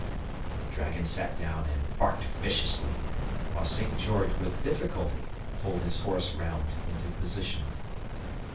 The dragon sat down and barked viciously, while St. George with difficulty pulled his horse round into position.